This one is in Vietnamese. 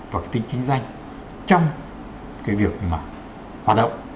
và cái tính chính danh trong cái việc mà hoạt động